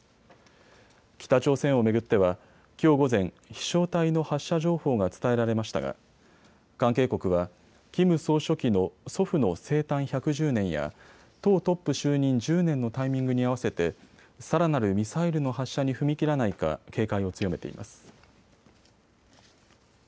北朝鮮を巡ってはきょう午前、飛しょう体の発射情報が伝えられましたが関係国はキム総書記の祖父の生誕１１０年や党トップ就任１０年のタイミングに合わせてさらなるミサイルの発射に踏み切らないか警戒を強めています。